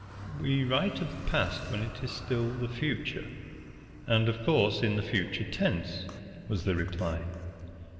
"We write of the past when it is still the future, and of course in the future tense," was the reply.